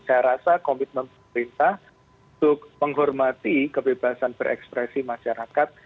saya rasa komitmen pemerintah untuk menghormati kebebasan berekspresi masyarakat